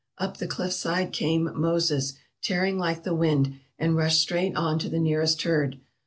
Up the cliff side came 'Moses,' tearing like the wind, and rushed straight on to the nearest herd.